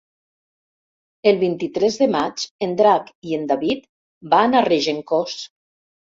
El vint-i-tres de maig en Drac i en David van a Regencós.